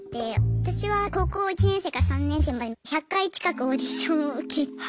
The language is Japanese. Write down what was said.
私は高校１年生から３年生まで１００回近くオーディションを受けて。